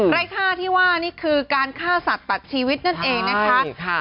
ไร้ค่าที่ว่านี่คือการฆ่าสัตว์ตัดชีวิตนั่นเองนะคะ